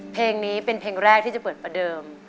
เพลงนี้เป็นเพลงแรกที่จะเปิดประเดิม